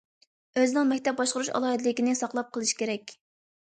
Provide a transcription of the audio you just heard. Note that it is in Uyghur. ئۆزىنىڭ مەكتەپ باشقۇرۇش ئالاھىدىلىكىنى ساقلاپ قېلىشى كېرەك.